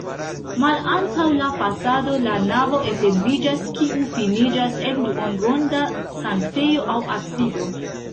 Malantaŭ la fasado la navo etendiĝas, kiu finiĝas en duonronda sanktejo aŭ absido.